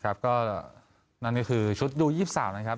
ครับก็นั่นนี่คือชุดยูยี่สิบสามนะครับ